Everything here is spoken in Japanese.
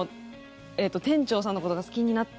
店長さんのことが好きになって。